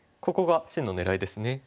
ここが真の狙いですね。